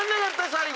最後。